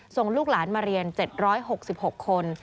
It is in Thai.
ส่งลูกหลานมาเรียน๗๖๖คน